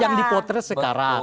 yang dipotret sekarang